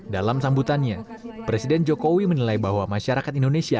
dalam sambutannya presiden jokowi menilai bahwa masyarakat indonesia